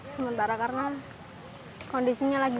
sementara karena kondisinya lagi